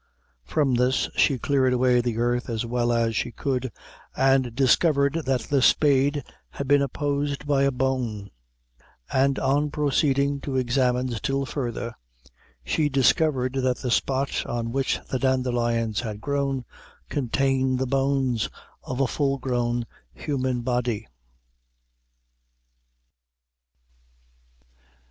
From this she cleared away the earth as well as she could, and discovered that the spade had been opposed by a bone; and on proceeding to examine still further, she discovered that the spot on which the dandelions had grown, contained the bones of a full grown human body.